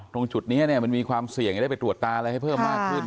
ตรงจุดนี้มันมีความเสี่ยงจะได้ไปตรวจตาอะไรให้เพิ่มมากขึ้น